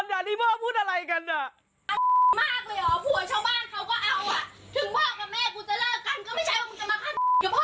ไม่ใช่ว่าคุณจะมาฆ่าอย่าภาพกัวอี๋